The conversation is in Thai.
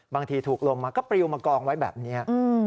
ถูกลมมาก็ปริวมากองไว้แบบนี้